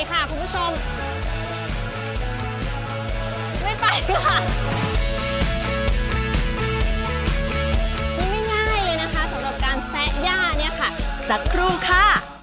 สักครู่ค่ะ